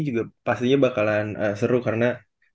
juga pastinya bakalan seru karena